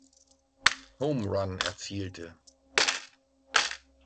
Homerun erzielte.